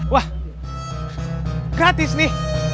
wah gratis nih